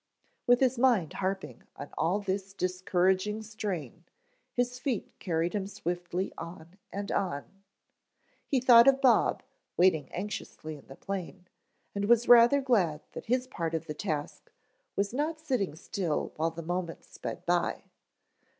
With his mind harping on this discouraging strain, his feet carried him swiftly on and on. He thought of Bob waiting anxiously in the plane and was rather glad that his part of the task was not sitting still while the moments sped by.